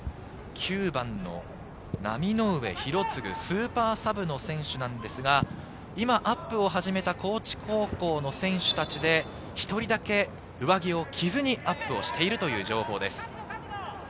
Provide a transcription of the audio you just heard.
９番・浪上博嗣、スーパーサブの選手なんですが、今アップを始めた高知高校の選手たちで、１人だけ上着を着ずにアップをしているという情報です。